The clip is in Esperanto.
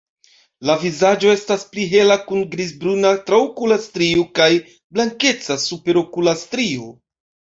La vizaĝo estas pli hela kun grizbruna traokula strio kaj blankeca superokula strio.